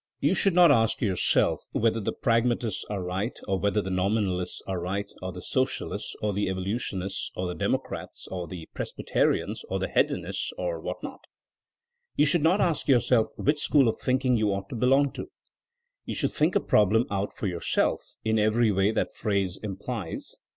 You should not ask yourself whether the prag matists are right, or whether the nominalists are right, or the socialists, or the evolutionists, or the Democrats, or the Presbyterians, or the hedonists, or what not. You should not ask yourself which st5hooP* of thinking you ought to belong to. You should think a problem out for yourself, in every way that phrase implies.